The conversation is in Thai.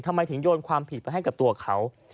ทำไมถึงโยนความผิดไปให้กับตัวเขา